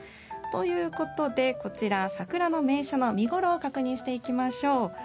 ということで、こちら桜の名所の見頃を確認していきましょう。